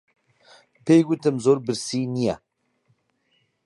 پێی گوتم زۆر برسی نییە.